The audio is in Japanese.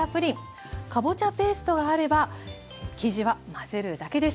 かぼちゃペーストがあれば生地は混ぜるだけです。